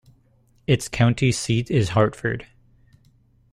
Its county seat is Hartford.